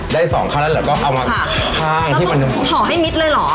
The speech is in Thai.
ได้สองขั้นแล้วเราก็เอามาข้างที่มันพอให้มิดเลยเหรอ